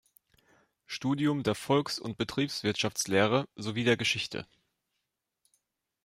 Studium der Volks- und Betriebswirtschaftslehre sowie der Geschichte.